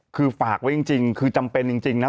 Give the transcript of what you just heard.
คือฝากว่าจำเป็นจริงนะ